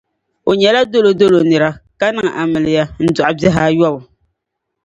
O nyɛla dolo dolo nira ka niŋ amiliya n-dɔɣi bihi ayobu.